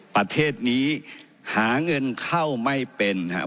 ประเทศนี้หาเงินเข้าไม่เป็นครับ